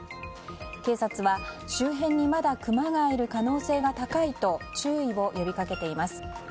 警察は、周辺にまだクマがいる可能性が高いと注意を呼びかけています。